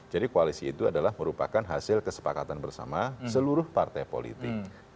koalisi itu adalah merupakan hasil kesepakatan bersama seluruh partai politik